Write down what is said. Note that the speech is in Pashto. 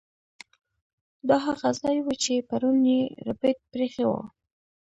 دا هغه ځای و چې پرون یې ربیټ پریښی و